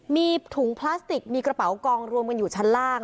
มีถุงพลาสติกมีกระเป๋ากองรวมกันอยู่ชั้นล่าง